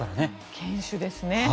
堅守ですね。